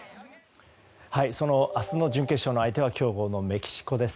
その明日の準決勝の相手は強豪のメキシコです。